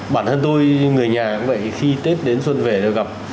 bản thân tôi người nhà cũng vậy khi tết đến xuân về được gặp